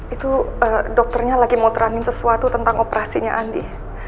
itu dokternya lagi mau terangin sesuatu tentang operasinya andi